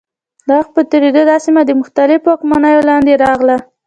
د وخت په تېرېدو دا سیمه د مختلفو واکمنیو لاندې راغله.